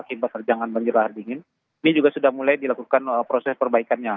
ini juga sudah mulai dilakukan proses perbaikannya